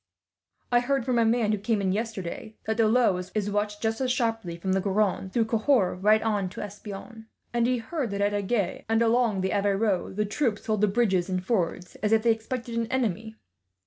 I heard, from a man who came in yesterday, that the Lot is watched just as sharply, from the Garonne through Cahors right on to Espalion; and he had heard that at Agen, and along the Aveyron, the troops hold the bridges and fords as if they expected an enemy.